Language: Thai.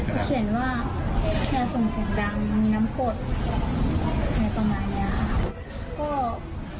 เขาเขียนว่าแค่ส่งเสียงดังน้ำกดอะไรประมาณนี้ค่ะ